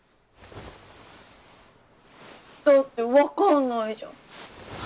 だって分かんないじゃん。